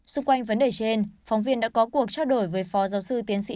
xung quanh vấn đề trên phóng viên đã có cuộc trao đổi với phó giáo sư tiến sĩ